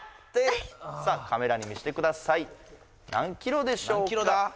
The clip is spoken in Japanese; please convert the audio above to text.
さあカメラに見せてください何キロでしょうか？